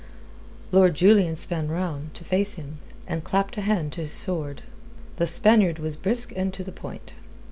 Lord Julian span round, to face him, and clapped a hand to his sword. The Spaniard was brisk and to the point.